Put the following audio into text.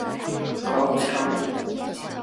高阇羌人。